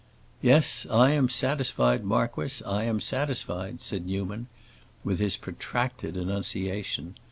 "Yes, I am satisfied, marquis, I am satisfied," said Newman, with his protracted enunciation.